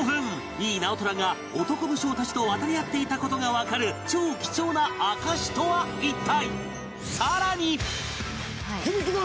井伊直虎が男武将たちと渡り合っていた事がわかる超貴重な証とは一体？